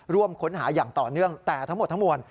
ร่วมค้นหาอย่างต่อเนื่องแต่ทั้งหมดทั้งมวล